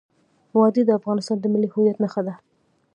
وادي د افغانستان د ملي هویت نښه ده.